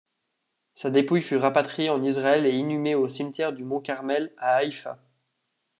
Sa dépouille fut rapatriée en Israël et inhumée au cimetière du Mont-Carmel, à Haïfa.